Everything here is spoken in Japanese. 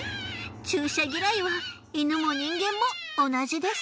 注射嫌いは犬も人間も同じです。